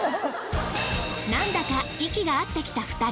なんだか息が合ってきた２人。